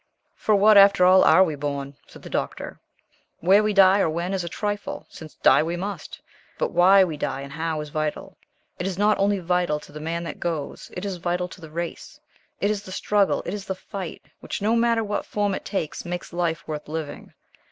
"For what, after all, are we born?" said the Doctor. "Where we die, or when is a trifle, since die we must. But why we die and how is vital. It is not only vital to the man that goes it is vital to the race. It is the struggle, it is the fight, which, no matter what form it takes, makes life worth living.